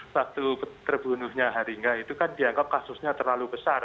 waktu terbunuhnya haringga itu kan dianggap kasusnya terlalu besar